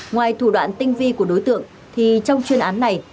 ngoài thủ đoạn tinh vi của đối tượng thì trong chuyên án này